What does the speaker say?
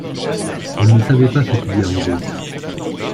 Elle ne savait pas ce qui lui arrivait.